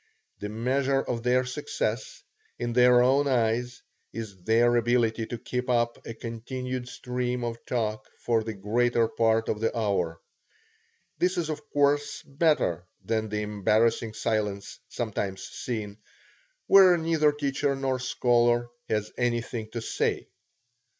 The measure of their success, in their own eyes, is their ability to keep up a continued stream of talk for the greater part of the hour. This is of course better than the embarrassing silence sometimes seen, where neither teacher nor scholar has anything to say.